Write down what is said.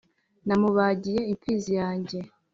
namubagiye imfizi yanjye